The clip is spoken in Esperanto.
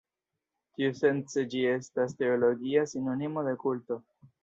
Tiusence ĝi estas teologia sinonimo de kulto.